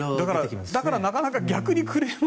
だから、なかなか逆にクレーム。